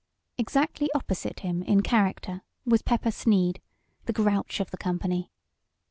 Exactly opposite him in character was Pepper Sneed, the "grouch" of the company.